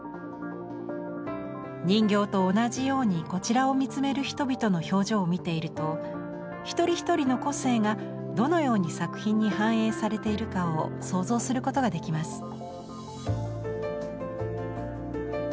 人形と同じようにこちらを見つめる人々の表情を見ていると一人一人の個性がどのように作品に反映されているかを想像することができます。